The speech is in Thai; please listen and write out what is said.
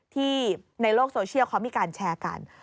ที่ในโลกโซเชียลเขามีการแชร์กัน